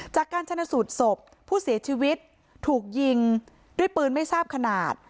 จากการชนะสูตรศพผู้เสียชีวิตถูกยิงด้วยปืนไม่ทราบขนาด